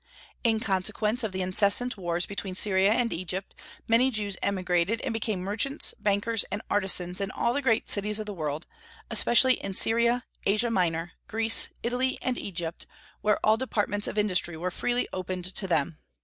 In consequence of the incessant wars between Syria and Egypt, many Jews emigrated, and became merchants, bankers, and artisans in all the great cities of the world, especially in Syria, Asia Minor, Greece, Italy, and Egypt, where all departments of industry were freely opened to them.